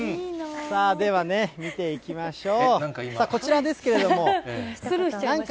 ではね、見ていきましょう。